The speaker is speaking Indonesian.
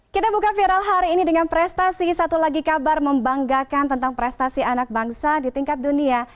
kita buka viral hari ini dengan prestasi satu lagi kabar membanggakan tentang prestasi anak bangsa di tingkat dunia